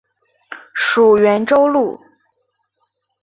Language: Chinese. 属袁州路。